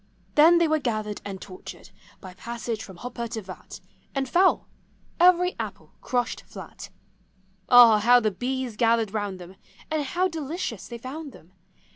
Then they were gathered and tortured By passage from hopper to vat. And fell — every apple crushed flat. Ah ! how the bees gathered round them, And how delicious they found them!